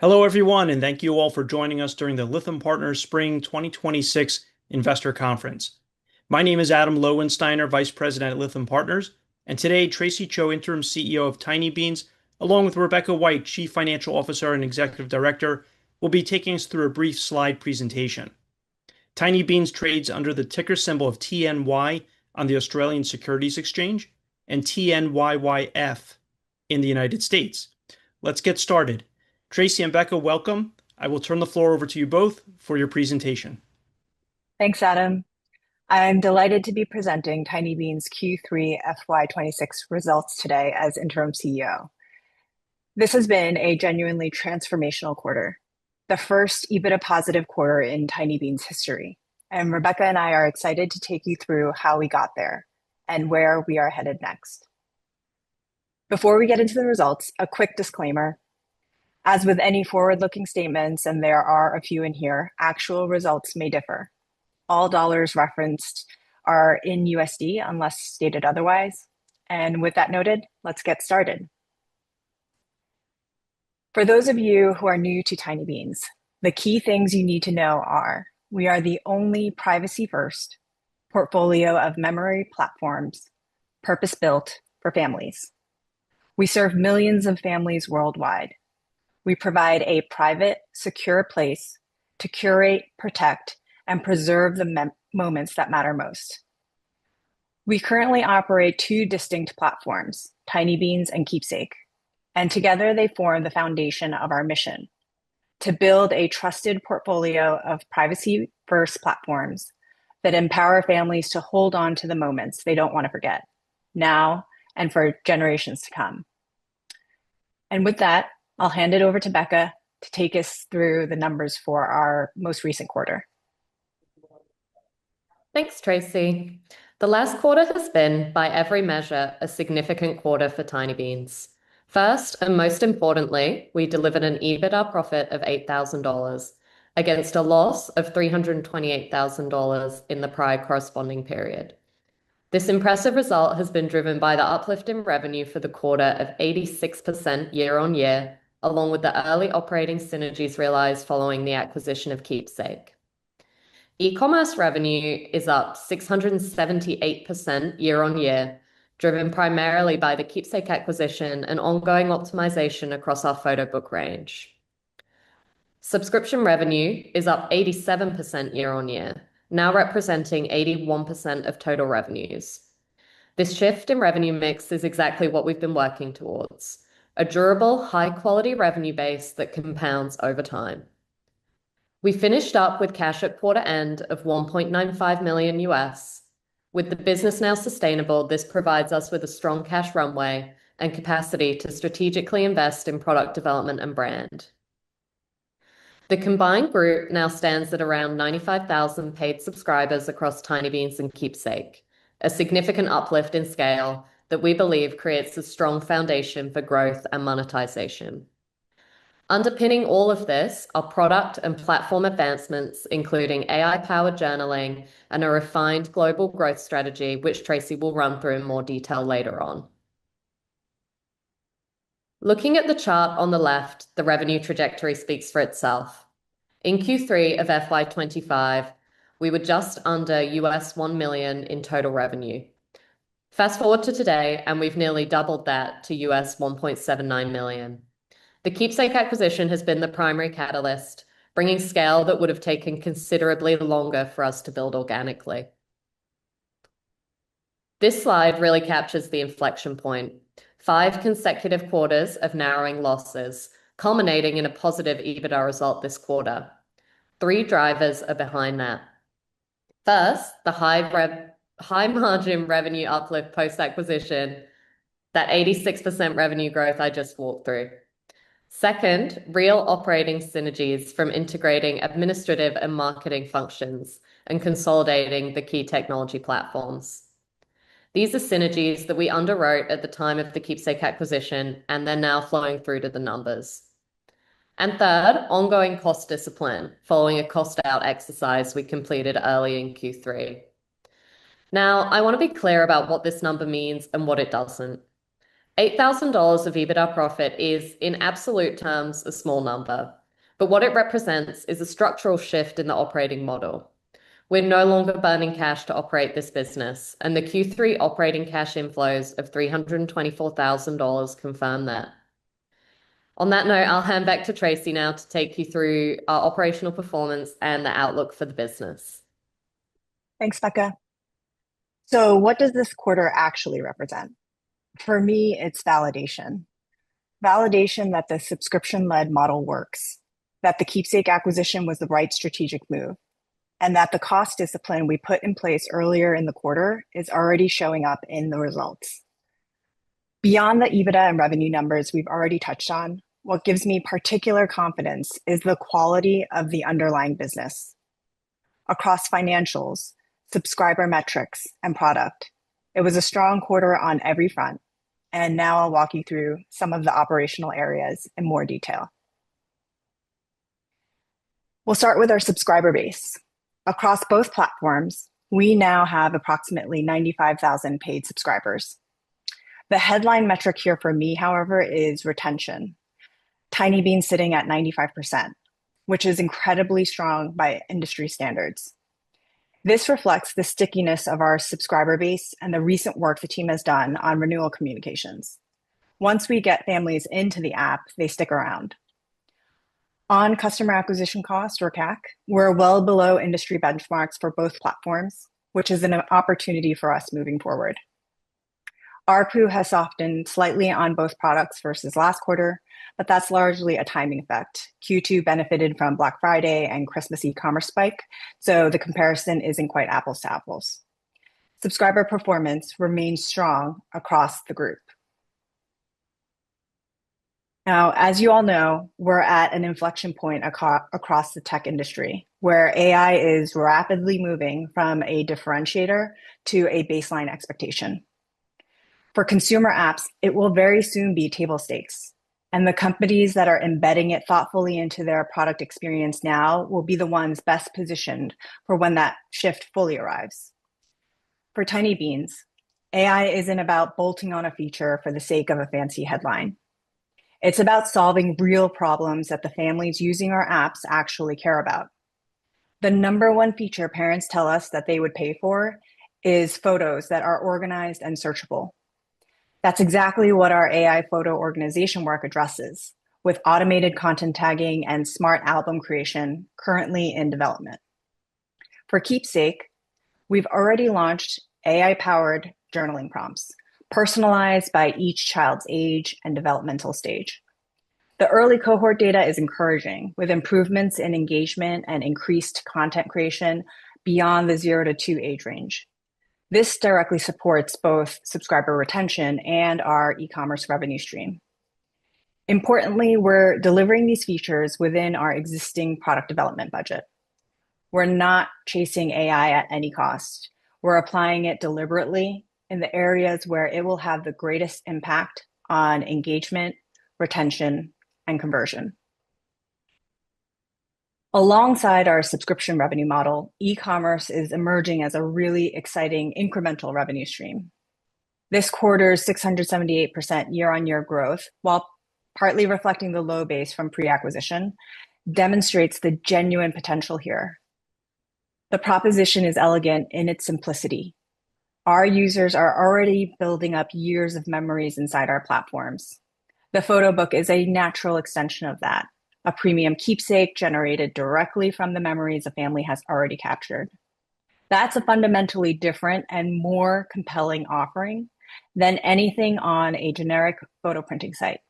Hello everyone and thank you all for joining us during the Lytham Partners Spring 2026 Investor Conference. My name is Adam Lowensteiner. I'm Vice President at Lytham Partners, and today, Tracy Cho, Interim CEO of Tinybeans, along with Rebecca White, Chief Financial Officer and Executive Director, will be taking us through a brief slide presentation. Tinybeans trades under the ticker symbol of TNY on the Australian Securities Exchange, and TNYYF in the U.S. Let's get started. Tracy and Becca, welcome. I will turn the floor over to you both for your presentation. Thanks, Adam. I'm delighted to be presenting Tinybeans' Q3 FY 2026 results today as Interim CEO. This has been a genuinely transformational quarter, the first EBITDA-positive quarter in Tinybeans history, and Rebecca and I are excited to take you through how we got there and where we are headed next. Before we get into the results, a quick disclaimer. As with any forward-looking statements, and there are a few in here, actual results may differ. All dollars referenced are in USD unless stated otherwise. With that noted, let's get started. For those of you who are new to Tinybeans, the key things you need to know are: we are the only privacy-first portfolio of memory platforms, purpose-built for families. We serve millions of families worldwide. We provide a private, secure place to curate, protect, and preserve the moments that matter most. We currently operate two distinct platforms, Tinybeans and Keepsake, and together they form the foundation of our mission: to build a trusted portfolio of privacy-first platforms that empower families to hold onto the moments they don't want to forget, now and for generations to come. With that, I'll hand it over to Rebecca to take us through the numbers for our most recent quarter. Thanks, Tracy. The last quarter has been, by every measure, a significant quarter for Tinybeans. First, and most importantly, we delivered an EBITDA profit of $8,000 against a loss of $328,000 in the prior corresponding period. This impressive result has been driven by the uplift in revenue for the quarter of 86% year-on-year, along with the early operating synergies realized following the acquisition of Keepsake. E-commerce revenue is up 678% year-on-year, driven primarily by the Keepsake acquisition and ongoing optimization across our photo book range. Subscription revenue is up 87% year-on-year, now representing 81% of total revenues. This shift in revenue mix is exactly what we've been working towards, a durable, high-quality revenue base that compounds over time. We finished up with cash at quarter end of $1.95 million. With the business now sustainable, this provides us with a strong cash runway and capacity to strategically invest in product development and brand. The combined group now stands at around 95,000 paid subscribers across Tinybeans and Keepsake, a significant uplift in scale that we believe creates a strong foundation for growth and monetization. Underpinning all of this are product and platform advancements, including AI-powered journaling and a refined global growth strategy, which Tracy will run through in more detail later on. Looking at the chart on the left, the revenue trajectory speaks for itself. In Q3 of FY 2025, we were just under $1 million in total revenue. Fast-forward to today, and we've nearly doubled that to $1.79 million. The Keepsake acquisition has been the primary catalyst, bringing scale that would've taken considerably longer for us to build organically. This slide really captures the inflection point. Five consecutive quarters of narrowing losses, culminating in a positive EBITDA result this quarter. Three drivers are behind that. First, the high margin revenue uplift post-acquisition, that 86% revenue growth I just walked through. Second, real operating synergies from integrating administrative and marketing functions and consolidating the key technology platforms. These are synergies that we underwrote at the time of the Keepsake acquisition, and they're now flowing through to the numbers. Third, ongoing cost discipline following a cost-out exercise we completed early in Q3. I want to be clear about what this number means and what it doesn't. $8,000 of EBITDA profit is, in absolute terms, a small number, but what it represents is a structural shift in the operating model. We're no longer burning cash to operate this business, and the Q3 operating cash inflows of $324,000 confirm that. On that note, I'll hand back to Tracy now to take you through our operational performance and the outlook for the business. Thanks, Becca. What does this quarter actually represent? For me, it's validation. Validation that the subscription-led model works, that the Keepsake acquisition was the right strategic move, and that the cost discipline we put in place earlier in the quarter is already showing up in the results. Beyond the EBITDA and revenue numbers we've already touched on, what gives me particular confidence is the quality of the underlying business. Across financials, subscriber metrics, and product, it was a strong quarter on every front. Now I'll walk you through some of the operational areas in more detail. We'll start with our subscriber base. Across both platforms, we now have approximately 95,000 paid subscribers. The headline metric here for me, however, is retention. Tinybeans sitting at 95%, which is incredibly strong by industry standards. This reflects the stickiness of our subscriber base and the recent work the team has done on renewal communications. Once we get families into the app, they stick around. On customer acquisition cost or CAC, we're well below industry benchmarks for both platforms, which is an opportunity for us moving forward. ARPU has softened slightly on both products versus last quarter. That's largely a timing effect. Q2 benefited from Black Friday and Christmas e-commerce spike. The comparison isn't quite apples to apples. Subscriber performance remains strong across the group. As you all know, we're at an inflection point across the tech industry, where AI is rapidly moving from a differentiator to a baseline expectation. For consumer apps, it will very soon be table stakes, and the companies that are embedding it thoughtfully into their product experience now will be the ones best positioned for when that shift fully arrives. For Tinybeans, AI isn't about bolting on a feature for the sake of a fancy headline. It's about solving real problems that the families using our apps actually care about. The number one feature parents tell us that they would pay for is photos that are organized and searchable. That's exactly what our AI photo organization work addresses with automated content tagging and smart album creation currently in development. For Keepsake, we've already launched AI-powered journaling prompts, personalized by each child's age and developmental stage. The early cohort data is encouraging, with improvements in engagement and increased content creation beyond the zero to two age range. This directly supports both subscriber retention and our e-commerce revenue stream. Importantly, we're delivering these features within our existing product development budget. We're not chasing AI at any cost. We're applying it deliberately in the areas where it will have the greatest impact on engagement, retention, and conversion. Alongside our subscription revenue model, e-commerce is emerging as a really exciting incremental revenue stream. This quarter's 678% year-on-year growth, while partly reflecting the low base from pre-acquisition, demonstrates the genuine potential here. The proposition is elegant in its simplicity. Our users are already building up years of memories inside our platforms. The photo book is a natural extension of that. A premium Keepsake generated directly from the memories a family has already captured. That's a fundamentally different and more compelling offering than anything on a generic photo printing site.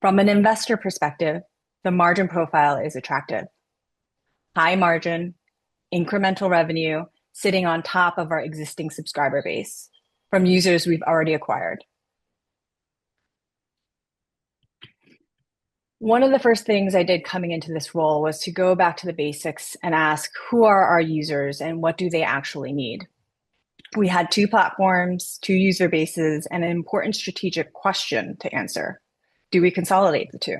From an investor perspective, the margin profile is attractive. High margin, incremental revenue sitting on top of our existing subscriber base from users we've already acquired. One of the first things I did coming into this role was to go back to the basics and ask who are our users, and what do they actually need? We had two platforms, two user bases, and an important strategic question to answer. Do we consolidate the two?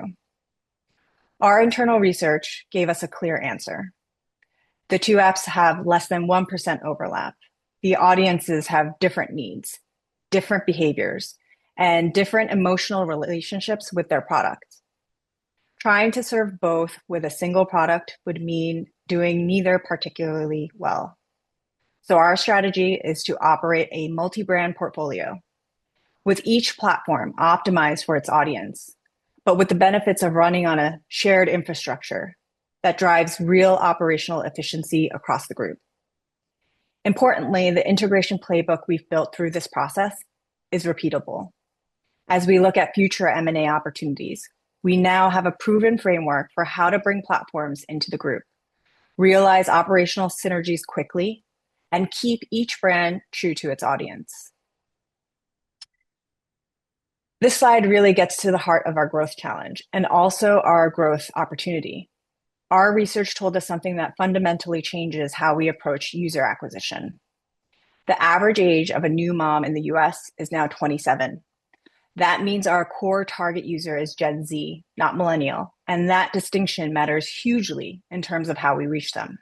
Our internal research gave us a clear answer. The two apps have less than 1% overlap. The audiences have different needs, different behaviors, and different emotional relationships with their products. Trying to serve both with a single product would mean doing neither particularly well. Our strategy is to operate a multi-brand portfolio with each platform optimized for its audience, but with the benefits of running on a shared infrastructure that drives real operational efficiency across the group. Importantly, the integration playbook we've built through this process is repeatable. As we look at future M&A opportunities, we now have a proven framework for how to bring platforms into the group, realize operational synergies quickly, and keep each brand true to its audience. This slide really gets to the heart of our growth challenge and also our growth opportunity. Our research told us something that fundamentally changes how we approach user acquisition. The average age of a new mom in the U.S. is now 27. That means our core target user is Gen Z, not millennial, and that distinction matters hugely in terms of how we reach them.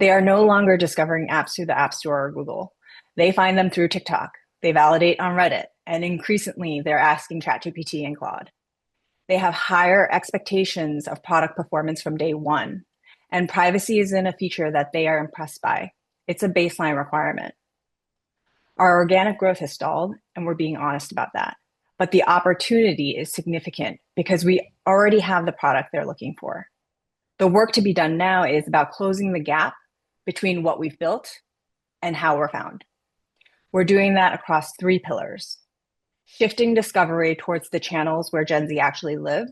They are no longer discovering apps through the App Store or Google. They find them through TikTok. They validate on Reddit, and increasingly, they're asking ChatGPT and Claude. They have higher expectations of product performance from day one, and privacy isn't a feature that they are impressed by. It's a baseline requirement. Our organic growth has stalled, and we're being honest about that, but the opportunity is significant because we already have the product they're looking for. The work to be done now is about closing the gap between what we've built and how we're found. We're doing that across three pillars: shifting discovery towards the channels where Gen Z actually live,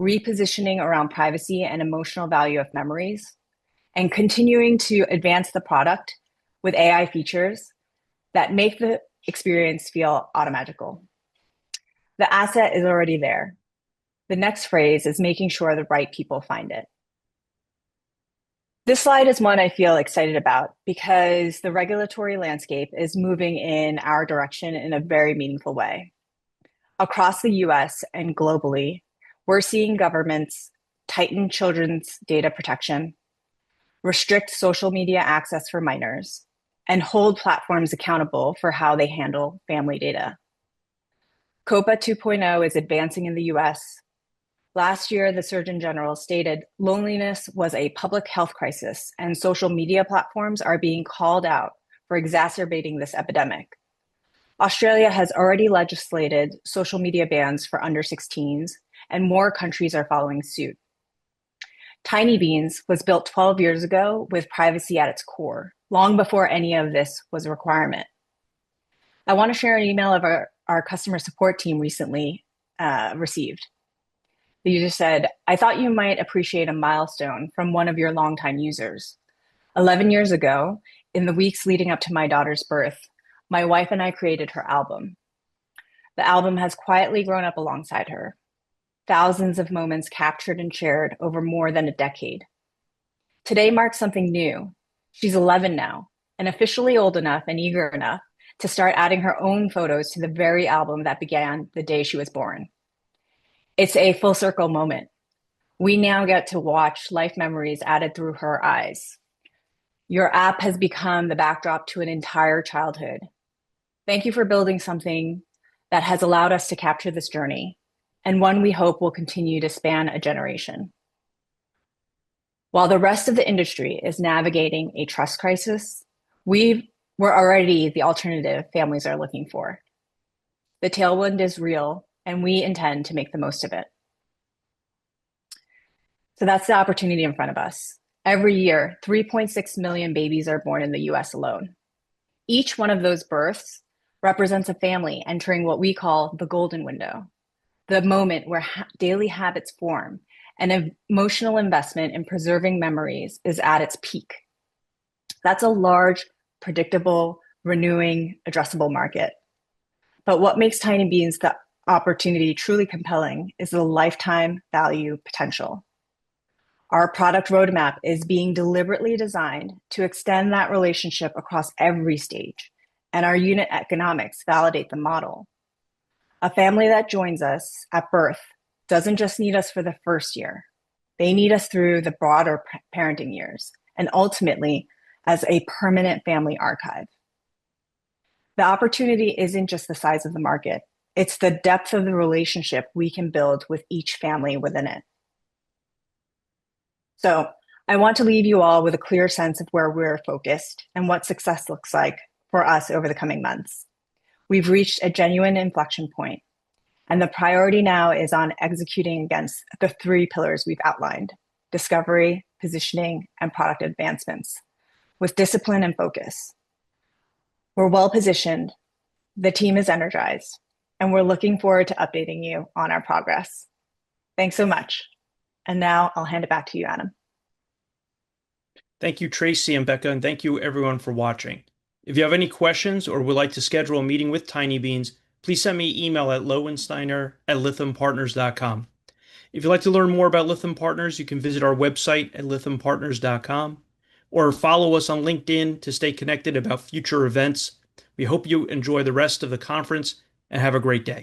repositioning around privacy and emotional value of memories, and continuing to advance the product with AI features that make the experience feel automagical. The asset is already there. The next phrase is making sure the right people find it. This slide is one I feel excited about because the regulatory landscape is moving in our direction in a very meaningful way. Across the U.S. and globally, we're seeing governments tighten children's data protection, restrict social media access for minors, and hold platforms accountable for how they handle family data. COPPA 2.0 is advancing in the U.S. Last year, the Surgeon General stated loneliness was a public health crisis, and social media platforms are being called out for exacerbating this epidemic. Australia has already legislated social media bans for under 16s, and more countries are following suit. Tinybeans was built 12 years ago with privacy at its core, long before any of this was a requirement. I want to share an email our customer support team recently received. The user said, "I thought you might appreciate a milestone from one of your longtime users. 11 years ago, in the weeks leading up to my daughter's birth, my wife and I created her album. The album has quietly grown up alongside her. Thousands of moments captured and shared over more than a decade. Today marks something new. She's 11 now and officially old enough and eager enough to start adding her own photos to the very album that began the day she was born. It's a full circle moment. We now get to watch life memories added through her eyes. Your app has become the backdrop to an entire childhood. Thank you for building something that has allowed us to capture this journey, and one we hope will continue to span a generation. While the rest of the industry is navigating a trust crisis, we were already the alternative families are looking for. The tailwind is real, and we intend to make the most of it. That's the opportunity in front of us. Every year, 3.6 million babies are born in the U.S. alone. Each one of those births represents a family entering what we call the golden window, the moment where daily habits form and emotional investment in preserving memories is at its peak. That's a large, predictable, renewing, addressable market. What makes Tinybeans' opportunity truly compelling is the lifetime value potential. Our product roadmap is being deliberately designed to extend that relationship across every stage, and our unit economics validate the model. A family that joins us at birth doesn't just need us for the first year. They need us through the broader parenting years and ultimately as a permanent family archive. The opportunity isn't just the size of the market, it's the depth of the relationship we can build with each family within it. I want to leave you all with a clear sense of where we're focused and what success looks like for us over the coming months. We've reached a genuine inflection point. The priority now is on executing against the three pillars we've outlined: discovery, positioning, and product advancements with discipline and focus. We're well-positioned, the team is energized. We're looking forward to updating you on our progress. Thanks so much. Now I'll hand it back to you, Adam. Thank you, Tracy and Becca, and thank you everyone for watching. If you have any questions or would like to schedule a meeting with Tinybeans, please send me an email at lowensteiner@lythampartners.com. If you'd like to learn more about Lytham Partners, you can visit our website at lythampartners.com or follow us on LinkedIn to stay connected about future events. We hope you enjoy the rest of the conference and have a great day.